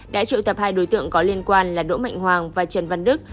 đã triệu tập hai đối tượng có liên quan là đỗ mạnh hoàng và trần văn đức